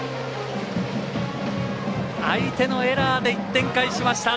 相手のエラーで１点返しました。